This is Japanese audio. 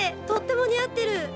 とっても似合ってる！